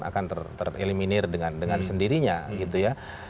akan tereliminir dengan sendirinya gitu ya